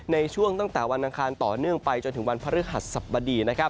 ในช่วงตั้งแต่วันอังคารต่อเนื่องไปจนถึงวันพฤหัสสบดี